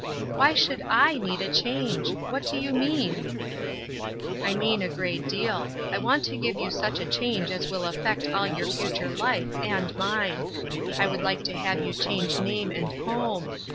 " Why should / need a change ? What do you mean ?" "I mean a great deal. I want to give you such a change as will affect all your future life and mine. I would like to have you change name and home.